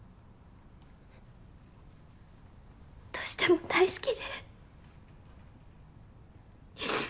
どうしても大好きで。